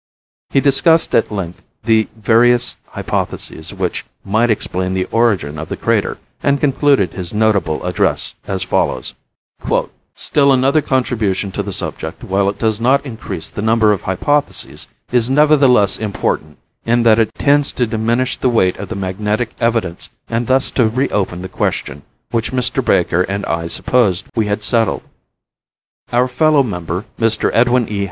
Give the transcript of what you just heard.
He discussed at length the various hypotheses which might explain the origin of the crater and concluded his notable address as follows: "Still another contribution to the subject, while it does not increase the number of hypotheses, is nevertheless important in that it tends to diminish the weight of the magnetic evidence and thus to reopen the question which Mr. Baker and I supposed we had settled. Our fellow member, Mr. Edwin E.